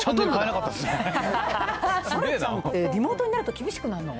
丸ちゃんって、リモートになると厳しくなるの？